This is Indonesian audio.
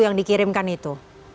yang dikirimkan itu